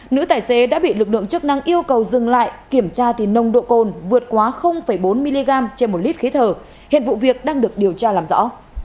nữ tài xế đã bị lực lượng chức năng yêu cầu dừng lại kiểm tra thì nồng độ cồn vượt quá bốn mg trên một lít khí thở hiện vụ việc đang được điều tra làm rõ